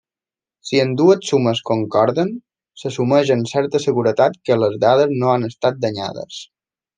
Si ambdues sumes concorden, s'assumeix amb certa seguretat que les dades no han estat danyades.